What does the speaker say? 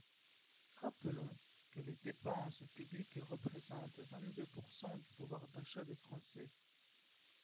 Rappelons que les dépenses publiques représentent vingt-deux pourcent du pouvoir d’achat des Français.